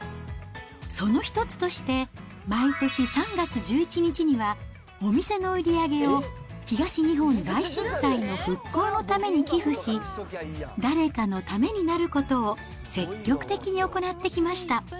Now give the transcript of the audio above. その一つとして、毎年３月１１日には、お店の売り上げを東日本大震災の復興のために寄付し、誰かのためになることを積極的に行ってきました。